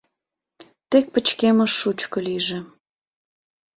Тек пычкемыш шучко лийже, —